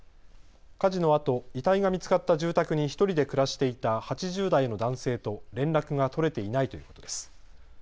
火事のあと、遺体が見つかった住宅に１人で暮らしていた８０代の男性と連絡が取れていないということです。